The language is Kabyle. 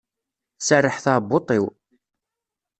Tserreḥ teɛbuḍt-iw.